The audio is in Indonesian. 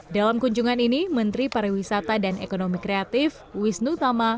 dalam kunjungan ini menteri pariwisata dan ekonomi kreatif wisnu tama